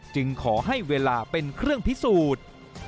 จึงขอให้เวลาเป็นเครื่องพิสูจน์